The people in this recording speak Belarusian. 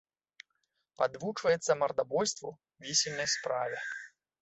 Падвучваецца мардабойству, вісельнай справе.